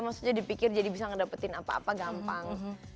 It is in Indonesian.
maksudnya dipikir jadi bisa ngedapetin apa apa gampang